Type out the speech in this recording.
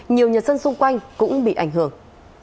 nhiều nhà sân xung quanh cũng bị ảnh hưởng